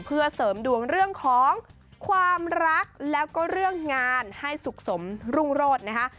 เพื่อเสริมดวงเรื่องของความรักแล้วก็เรื่องงานให้สุขสมรุ่งโรธนะคะ